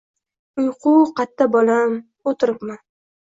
—Uyqu qatta, bolam? O'o'tiribman.